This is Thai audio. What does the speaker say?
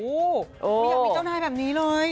ยังมีเก้าหน้าแบบนี้เลย